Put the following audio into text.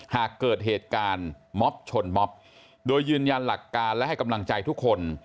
หากเกิดเหตุการณ์ม็อบชนม็อบโดยยืนยันหลักการและให้กำลังใจทุกคน